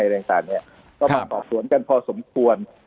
อะไรอย่างต่างแบบเนี้ยครับก็มาตอบสวนกันพอสมควร